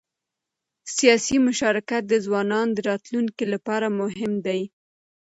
سیاسي مشارکت د ځوانانو د راتلونکي لپاره مهم دی